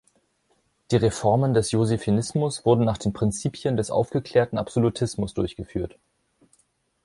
Die Reformen des Josephinismus wurden nach den Prinzipien des aufgeklärten Absolutismus durchgeführt.